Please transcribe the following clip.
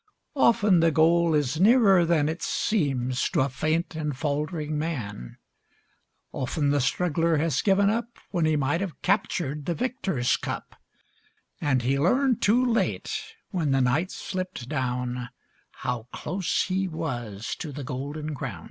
Often the goal is nearer than It seems to a faint and faltering man. Often the struggler has given up When he might have captured the victor's cup, And he learned too late, when the night slipped down, How close he was to the golden crown.